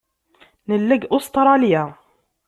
Nella deg Ustṛalya.